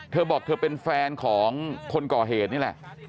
เธอบอกเธอเป็นแฟนของคนก่อเหตุนี่แหละ